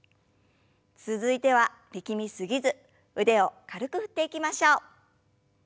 続いては力み過ぎず腕を軽く振っていきましょう。